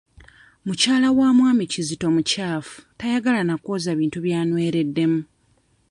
Mukyala wa mwami Kizito mukyafu tayagala na kwoza bintu by'anywereddemu.